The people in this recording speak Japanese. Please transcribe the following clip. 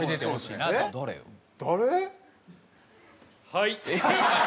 はい。